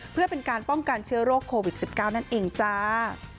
เพื่อเป็นการป้องกันเชื้อโรคโควิด๑๙นั่นเองจ้า